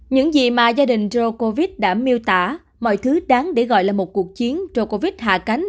những gì mà gia đình drogovic đã miêu tả mọi thứ đáng để gọi là một cuộc chiến drogovic hạ cánh